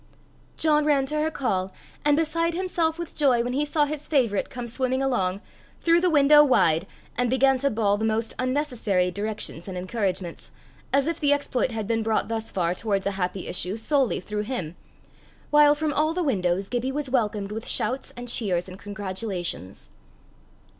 John ran to her call, and, beside himself with joy when he saw his favourite come swimming along, threw the window wide, and began to bawl the most unnecessary directions and encouragements, as if the exploit had been brought thus far towards a happy issue solely through him, while from all the windows Gibbie was welcomed with shouts and cheers and congratulations.